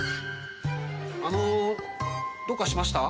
あのどうかしました？